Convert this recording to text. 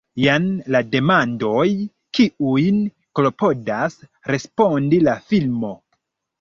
Jen la demandoj kiujn klopodas respondi la filmo.